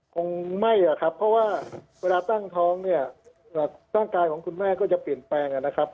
คงไม่อะครับเพราะว่าเวลาตั้งท้องเนี่ยร่างกายของคุณแม่ก็จะเปลี่ยนแปลงนะครับ